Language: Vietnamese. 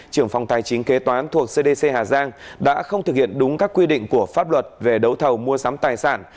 trưởng phòng tài chính kế toán thuộc cdc hà giang đã không thực hiện đúng các quy định của pháp luật về đấu thầu mua sắm tài sản